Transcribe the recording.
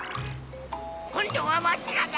こんどはわしらだ！